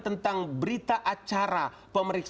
tentang berita acara pemerintah pemerintah dan pemerintah